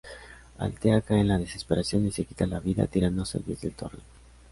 Altea cae en la desesperación y se quita la vida tirándose desde el torreón.